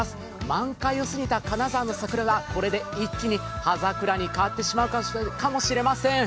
満開を過ぎた金沢の桜がこれで一気に葉桜に変わってしまうかもしれません。